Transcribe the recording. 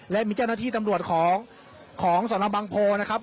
และมีเจ้าหน้าที่ตำรวจของสนบังโพนะครับ